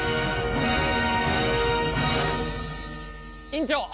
院長！